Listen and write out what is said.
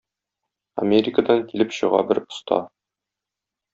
Америкадан килеп чыга бер оста.